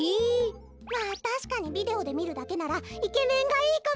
まあたしかにビデオでみるだけならイケメンがいいかも！